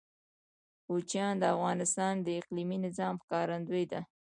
کوچیان د افغانستان د اقلیمي نظام ښکارندوی ده.